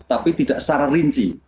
tapi tidak secara rinci